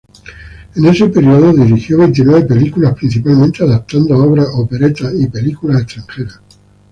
En ese período dirigió veintinueve películas, principalmente adaptando obras, operetas, y películas extranjeras.